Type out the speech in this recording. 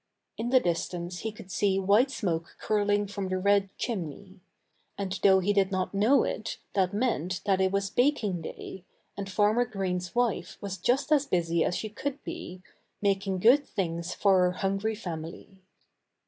In the distance he could see white smoke curling from the red chimney. And though he did not know it, that meant that it was baking day, and Farmer Green's wife was just as busy as she could be, making good things for her hungry family.